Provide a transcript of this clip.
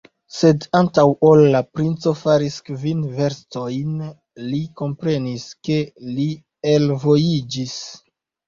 Sed antaŭ ol la princo faris kvin verstojn, li komprenis, ke li elvojiĝis.